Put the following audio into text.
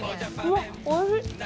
うわっ美味しい。